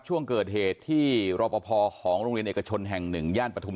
ช่วงเกิดเหตุที่รอปภของโรงเรียนเอกชนแห่งหนึ่งย่านปฐุม